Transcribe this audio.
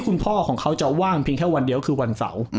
คุณพ่อของเขาจะว่างเพียงแค่วันเดียวคือวันเสาร์